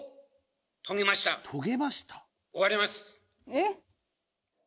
えっ？